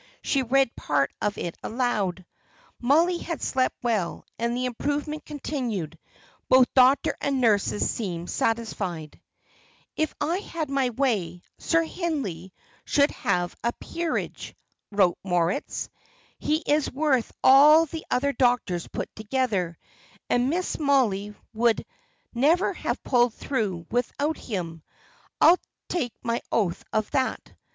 She read part of it aloud. Mollie had slept well, and the improvement continued. Both doctor and nurses seemed satisfied. "If I had my way, Sir Hindley should have a peerage," wrote Moritz. "He is worth all the other doctors put together; and Miss Mollie would never have pulled through without him, I'll take my oath of that."